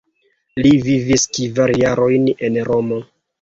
Li vivis kvar jarojn en Romo.